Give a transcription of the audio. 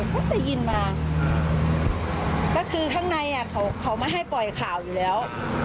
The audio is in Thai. แต่ก็ได้ยินมาอ่าก็คือข้างในอ่ะเขาเขาไม่ให้ปล่อยข่าวอยู่แล้ว